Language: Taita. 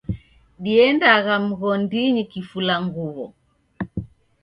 Diendagha mghondinyi kifulanguwo